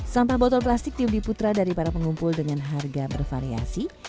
sampah botol plastik di udi putra dari para pengumpul dengan harga bervariasi